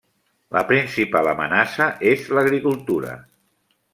La principal amenaça és l'agricultura.